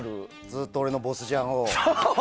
ずっと俺のＢＯＳＳジャンを。